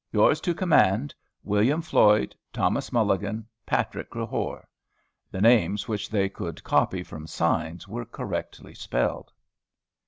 Yours to command, WILLIAM FLOYD. THOMAS MULLIGAN. PATRICK CREHORE. The names which they could copy from signs were correctly spelled.